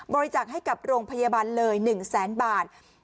บริจาคให้กับโรงพยาบาลเลย๑๐๐๐๐๐บาท